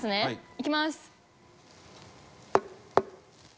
いきます。